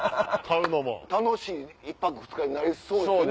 楽しい１泊２日になりそうですよね。